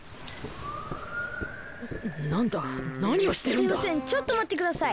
すいませんちょっとまってください。